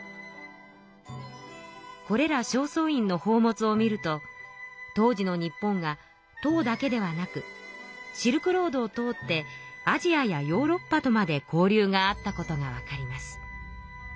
これら正倉院の宝物を見ると当時の日本が唐だけではなくシルクロードを通ってアジアやヨーロッパとまで交流があったことがわかります。